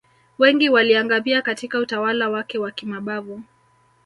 wengi waliangamia Katika utawala wake wa kimabavu